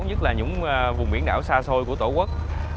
nhất là những vùng biển đảo xa xôi của tổ quốc